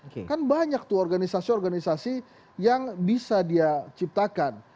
berarti itu adalah sebuah faktor organisasi organisasi yang bisa dia ciptakan